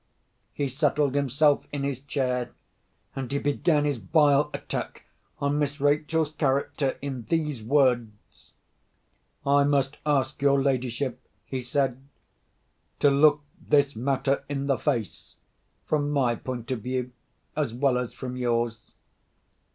He settled himself in his chair; and he began his vile attack on Miss Rachel's character in these words: "I must ask your ladyship," he said, "to look this matter in the face, from my point of view as well as from yours.